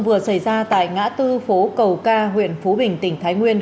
vừa xảy ra tại ngã tư phố cầu ca huyện phú bình tỉnh thái nguyên